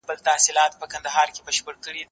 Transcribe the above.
زه به اوږده موده سندري اورېدلي وم؟!